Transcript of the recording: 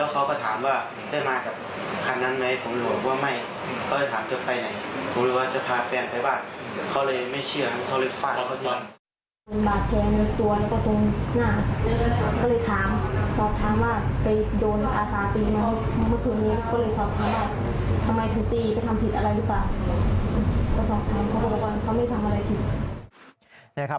ก็สอบชายเขาไม่ทำอะไรคิด